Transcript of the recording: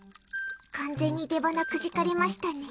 完全に出鼻くじかれましたね。